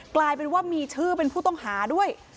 กลายเป็นว่ามีชื่อเป็นผู้ต้องหาด้วย